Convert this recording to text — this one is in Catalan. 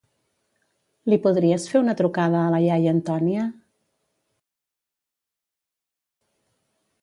Li podries fer una trucada a la iaia Antònia?